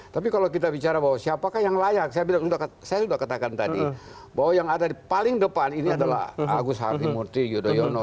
tapi kalau kita bicara bahwa siapakah yang layak saya sudah katakan tadi bahwa yang ada di paling depan ini adalah agus harimurti yudhoyono